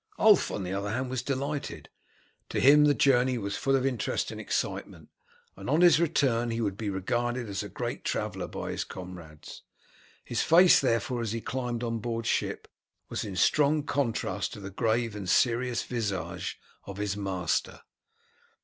Ulf on the other hand was delighted. To him the journey was full of interest and excitement, and on his return he would be regarded as a great traveller by his comrades. His face, therefore, as he climbed on board ship, was in strong contrast to the grave and serious visage of his master.